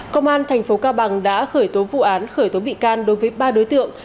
công an tp cao bằng đã khởi tố vụ án khởi tố bị can đối với ba đối tượng